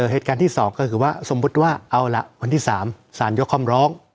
เหตุการณ์ที่๒ก็คือว่าสมมุติว่าเอาล่ะวันที่๓สารยกคำร้อง